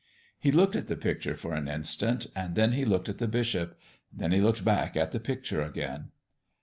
He looked at the picture for an instant, and then he looked at the bishop; then he looked back at the picture again.